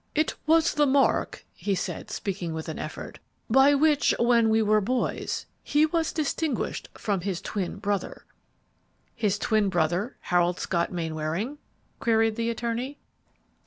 "It was the mark," he said, speaking with an effort, "by which, when we were boys, he was distinguished from his twin brother." "His twin brother, Harold Scott Mainwaring?" queried the attorney.